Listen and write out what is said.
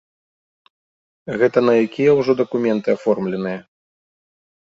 Гэта на якія ўжо дакументы аформленыя.